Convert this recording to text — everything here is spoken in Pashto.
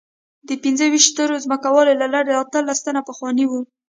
د پنځه ویشت سترو ځمکوالو له ډلې اتلس تنه پخواني وو.